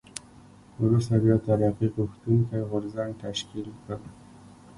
وروسته بیا ترقي غوښتونکی غورځنګ تشکیل کړ.